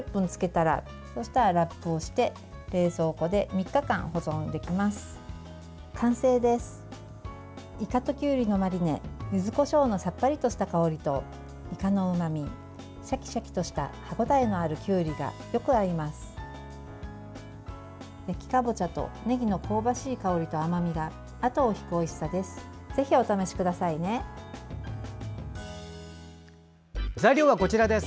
焼きかぼちゃとねぎの香ばしい香りと甘みがあとを引くおいしさです。